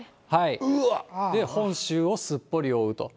本州をすっぽり覆うと。